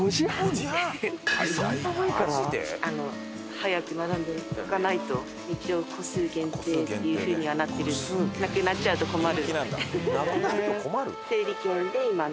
そんな前から？早く並んでおかないと一応個数限定っていう風にはなってるんでなくなっちゃうと困る。